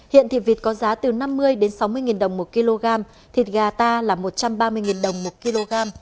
hiện thịt vịt có giá từ năm mươi đồng đến sáu mươi đồng một kg thịt gà ta là một trăm ba mươi đồng một kg